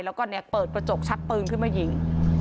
แล้วก็เนี่ยเปิดกระจกชักปืนขึ้นมายิง